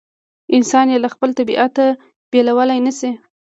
انسان یې له خپل طبیعت بېلولای نه شي.